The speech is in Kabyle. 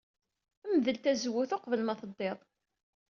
Mdel tazewwut uqbel ma teddid.